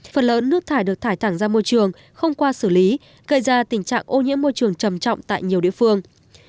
phần lớn nước thải được thải thẳng ra môi trường không qua xử lý gây ra tình trạng ô nhiễm môi trường trầm trọng tại nhiều địa phương